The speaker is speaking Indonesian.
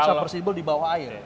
sumpersible di bawah air